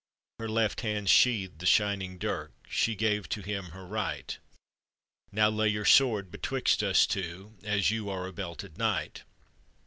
Her left hand sheathed the shining dirk, She gave to him her right ;" Now lay your sword betwixt us two, As you are a belted knight.